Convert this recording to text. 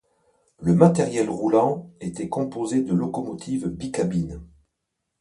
Le matériel roulant était composé de locomotives bicabines.